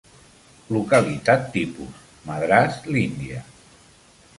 Localitat tipus: Madras, l'Índia.